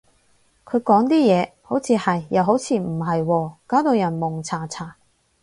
佢講啲嘢，好似係，又好似唔係喎，搞到人矇查查